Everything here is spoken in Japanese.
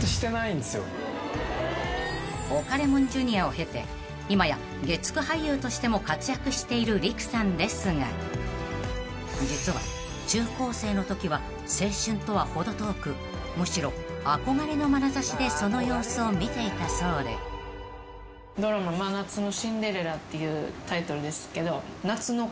［オカレモンＪｒ．を経て今や月９俳優としても活躍している利久さんですが実は中高生のときは青春とは程遠くむしろ憧れのまなざしでその様子を見ていたそうで］っていうタイトルですけど夏の恋とかは覚えてますか？